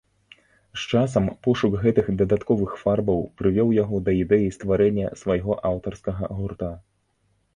З часам пошук гэтых дадатковых фарбаў прывёў яго да ідэі стварэння свайго аўтарскага гурта.